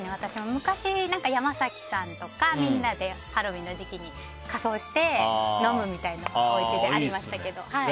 昔、山崎さんとかみんなでハロウィーンの時期に仮装しておうちで飲むみたいなのはありましたけど。